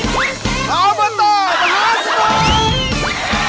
อ๋อมาต่อขอบพลง